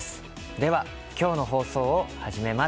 では今日の放送を始めます。